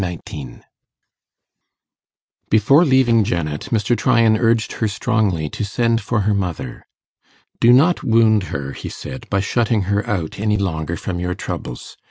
Chapter 19 Before leaving Janet, Mr. Tryan urged her strongly to send for her mother. 'Do not wound her,' he said, 'by shutting her out any longer from your troubles.